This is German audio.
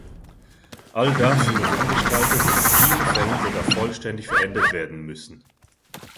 All das muss umgestaltet und in vielen Fällen sogar vollständig verändert werden müssen.